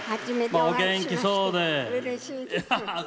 お元気そうで。